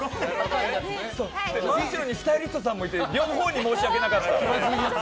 真後ろにスタイリストさんもいて両方に申し訳なかった。